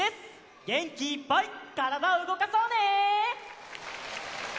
げんきいっぱいからだをうごかそうね！